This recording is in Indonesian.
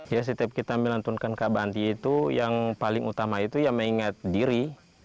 ya setiap kita melantunkan kabanti itu yang paling utama itu ya mengingat diri